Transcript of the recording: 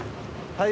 はい。